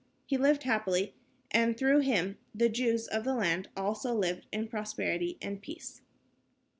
He lived happily, and through him the Jews of the land also lived in prosperity and peace.